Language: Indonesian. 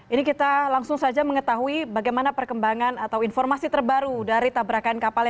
ini kita langsung saja mengetahui bagaimana perkembangan atau informasi terbaru dari tabrakan kapal